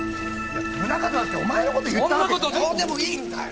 宗形だってお前のことじゃそんなことどうでもいいんだよ！